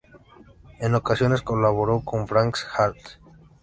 En ocasiones colaboró con Frans Hals.